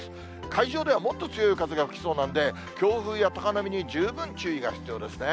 海上ではもっと強い風が吹きそうなんで、強風や高波に十分注意が必要ですね。